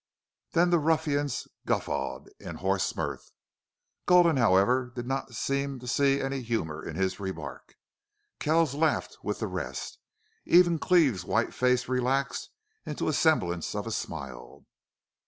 Then the ruffians guffawed in hoarse mirth. Gulden, however, did not seem to see any humor in his remark. Kells laughed with the rest. Even Cleve's white face relaxed into a semblance of a smile.